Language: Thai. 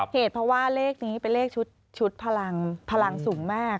เหตุเพราะว่าเลขนี้เป็นเลขชุดพลังพลังสูงมาก